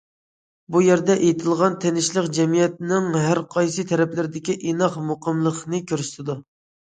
بۇ يەردە ئېيتىلغان تىنچلىق جەمئىيەتنىڭ ھەر قايسى تەرەپلىرىدىكى ئىناق، مۇقىملىقنى كۆرسىتىدۇ.